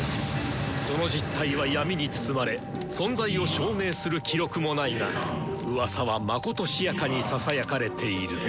その実体は闇に包まれ存在を証明する記録もないがうわさはまことしやかにささやかれている。